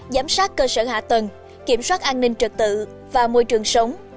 giám sát cơ sở hạ tầng kiểm soát an ninh trật tự và môi trường sống